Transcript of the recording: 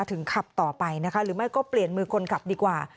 ขับต่อไปนะคะหรือไม่ก็เปลี่ยนมือคนขับดีกว่า